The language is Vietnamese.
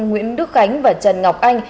nguyễn đức khánh và trần ngọc anh